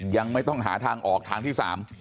ยังไม่ต้องหาทางออกทางที่สาม